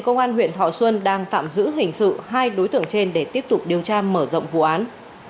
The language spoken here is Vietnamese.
công an huyện thọ xuân đang tạm giữ hình sự hai đối tượng trên để tiếp tục điều tra mở rộng vụ án